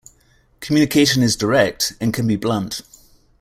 Communication is direct, and can be blunt.